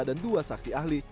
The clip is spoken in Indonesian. dan dua saksi ahli